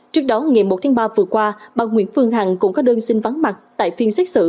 trước đó ngày một tháng ba vừa qua bà nguyễn phương hằng cũng có đơn xin vắng mặt tại phiên xét xử